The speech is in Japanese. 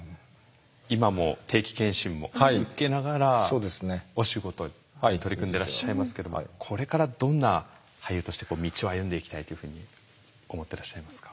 今も定期検診も受けながらお仕事に取り組んでらっしゃいますけどもこれからどんな俳優として道を歩んでいきたいというふうに思ってらっしゃいますか？